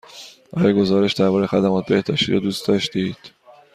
آیا گزارش درباره خدمات بهداشتی را دوست داشتید؟